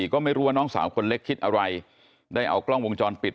ก็ไม่รู้ว่าน้องสาวคนเล็กคิดอะไรได้เอากล้องวงจรปิด